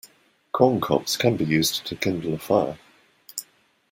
Corn cobs can be used to kindle a fire.